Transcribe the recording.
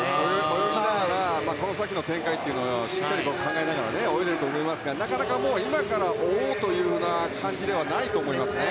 泳ぎながらこの先の展開をしっかり考えながら泳いでいると思いますがなかなか今から追おうというような感じではないと思いますね。